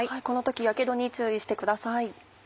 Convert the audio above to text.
この時やけどに注意してください。